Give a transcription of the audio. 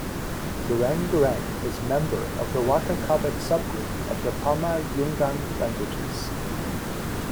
Gureng gureng is member of the Waka-Kabic subgroup of the Pama-Nyungan languages.